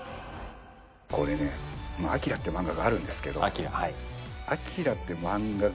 これね『ＡＫＩＲＡ』って漫画があるんですけど。